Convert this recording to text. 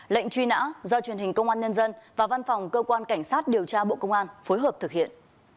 lệnh truy nã do truyền hình công an nhân dân và văn phòng cơ quan cảnh sát điều tra bộ công an phối hợp thực hiện